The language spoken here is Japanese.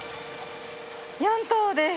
４等です。